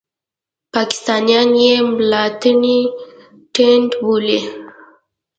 پاکستانیان یې ملتانی ټېنټ بولي.